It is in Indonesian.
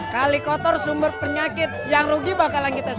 kali kotor sumber penyakit yang rugi bakalan kita semua